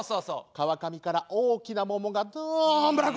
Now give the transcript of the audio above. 川上から大きな桃がどんぶらこ。